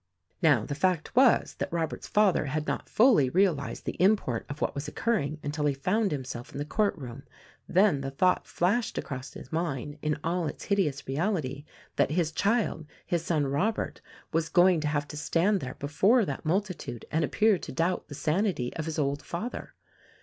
Now the fact was that Robert's father had not fully realized the import of what was occurring until he found himself in the court room; then the thought flashed across his mind in all its hideous reality that his child, his son Robert, was going to have to stand there before that mul THE RECORDING ANGEL 87 titude and appear to doubt the sanity of his old father.